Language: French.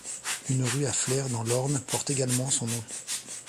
Une rue à Flers dans l'Orne porte également son nom.